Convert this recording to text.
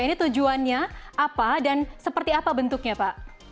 ini tujuannya apa dan seperti apa bentuknya pak